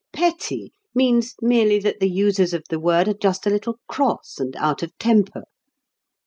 "Petty" means merely that the users of the word are just a little cross and out of temper.